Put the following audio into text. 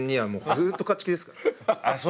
ずっと勝ち気です。